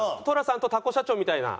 寅さんとタコ社長みたいな。